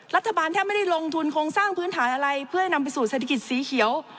รัฐบาลแทบไม่ได้ลงทุนโครงสร้างพื้นฐานอะไรเพื่อให้นำไปสู่เศรษฐกิจสีเขียว